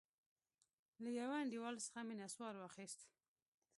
له يوه انډيوال څخه مې نسوار واخيست.